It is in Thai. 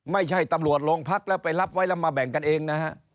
ไม่ใช่ตำรวจโรงพักแล้วไปรับไว้แล้วมาแบ่งกันเองนะฮะ